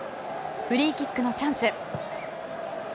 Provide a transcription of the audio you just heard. フリーキックのチャンス。